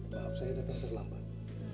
maaf saya datang terlambat